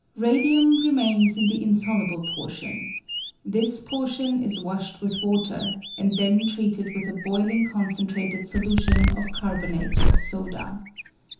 Radium remains in the insoluble portion. This portion is washed with water, and then treated with a boiling concentrated solution of carbonate of soda.